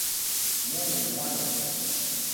Noņem paneli.